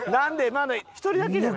まだ１人だけじゃない？